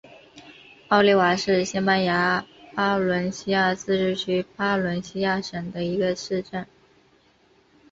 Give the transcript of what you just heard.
奥利瓦是西班牙巴伦西亚自治区巴伦西亚省的一个市镇。